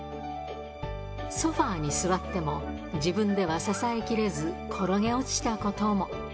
ソファーに座っても、自分では支えきれず、転げ落ちたことも。